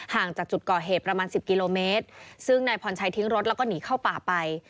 จากจุดก่อเหตุประมาณสิบกิโลเมตรซึ่งนายพรชัยทิ้งรถแล้วก็หนีเข้าป่าไป